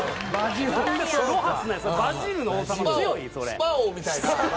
スパ王みたいな。